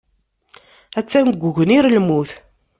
Attan deg ugnir n lmut.